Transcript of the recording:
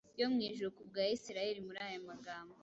yo mw’ijuru kubw’Abisirayeli, muri aya magambo: